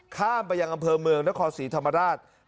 ข้ามไปยังอำเภอเมืองนครศรีธรรมราช